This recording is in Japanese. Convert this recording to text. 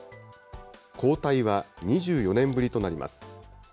交代は２４年ぶりとなります。